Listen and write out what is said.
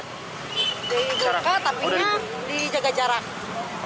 dibuka tapi dia dijaga jarak